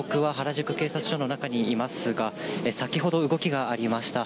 こちら、今まで永山被告は原宿警察署の中にいますが、先ほど、動きがありました。